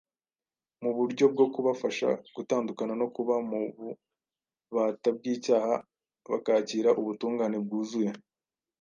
Mu buryo bwo kubafasha gutandukana no kuba mu bubata bw’icyaha bakakira ubutungane bwuzuye